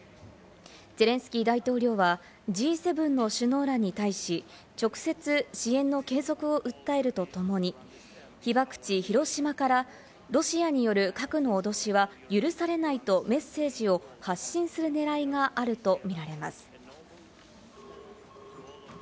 ゼレンスキー大統領はＧ７の首脳らに対し、直接支援の継続を訴えるとともに、被爆地・広島からロシアによる核の脅しは許されないと、メッセージを発信する狙いがあると見られます。